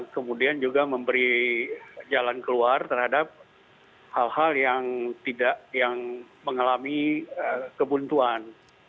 kemudian juga memberi jalan keluar terhadap hal hal yang tidak yang mengalami kebuntuan